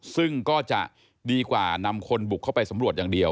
ซึ่งก็จะดีกว่านำคนบุกเข้าไปสำรวจอย่างเดียว